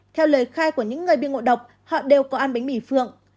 theo lời khai của những người bị ngộ độc họ đều có ăn bánh mì phượng